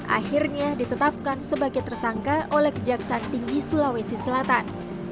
akhirnya ditetapkan sebagai tersangka oleh kejaksaan tinggi sulawesi selatan